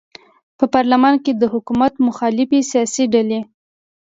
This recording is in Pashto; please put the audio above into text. په پارلمان کې د حکومت مخالفې سیاسي ډلې